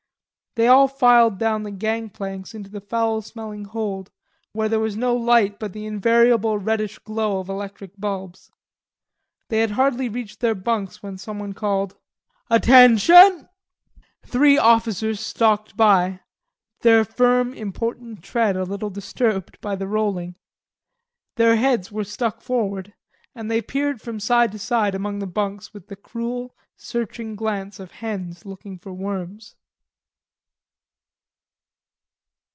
They all filed down the gang planks into the foul smelling hold, where there was no light but the invariable reddish glow of electric bulbs. They had hardly reached their bunks when someone called, "Attention!" Three officers stalked by, their firm important tread a little disturbed by the rolling. Their heads were stuck forward and they peered from side to side among the bunks with the cruel, searching glance of hens looking for worms.